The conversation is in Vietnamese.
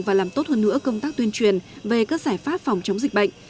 và làm tốt hơn nữa công tác tuyên truyền về các giải pháp phòng chống dịch bệnh